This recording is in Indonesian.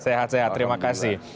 sehat sehat terima kasih